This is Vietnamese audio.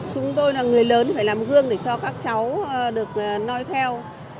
chúng tôi là người lớn phải làm gương để cho các cháu được noi theo